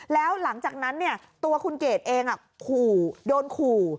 แล้วหลังจากนั้นตัวคุณเกดเองขู่โดนขู่